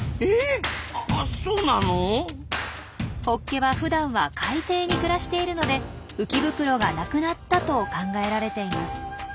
ホッケはふだんは海底に暮らしているので浮き袋がなくなったと考えられています。